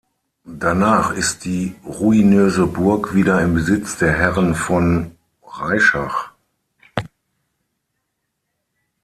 Danach ist die ruinöse Burg wieder im Besitz der Herren von Reischach.